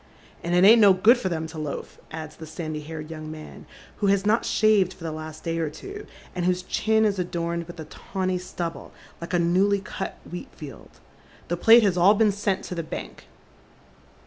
" And it ain't no good for them to loaf," adds the sandy haired young man, who has not shaved for the last day or two, and whose chin is adorned with a tawny stubble like a newly cut wheat field. " The plate has all been sent to the bank."